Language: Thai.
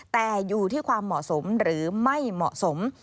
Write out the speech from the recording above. แต่อยู่ที่ความเหมาะสมหรือไม่เหมาะสม